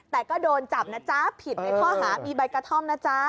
แต่ก็โดนจับนะจ๊ะผิดในข้อหามีใบกระท่อมนะจ๊ะ